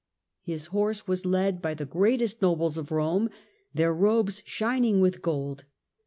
His horse was led by the greatest nobles of Kome, their robes shining with gold.